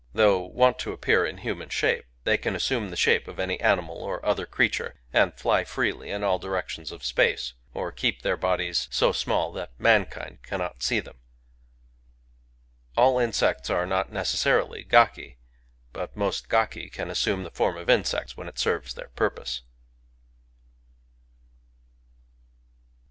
Though wont to appear in human shape, they can assume the shape of any animal or other creature, and "fly freely In all directions of space/' — or keep their bodies */ so small that mankind cannot see them. ..." All insects are not necessarily gaki; but most gaki ,can assume the form of . insects when it serves th^ir purpose.